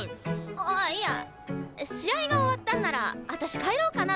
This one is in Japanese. ああいや試合が終わったんならあたし帰ろうかなと思って。